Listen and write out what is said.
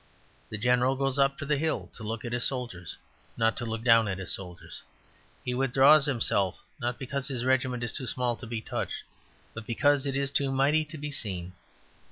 The general goes up to the hill to look at his soldiers, not to look down at his soldiers. He withdraws himself not because his regiment is too small to be touched, but because it is too mighty to be seen.